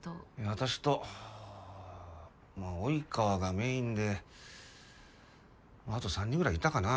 私とまあ及川がメインであと３人ぐらいいたかな。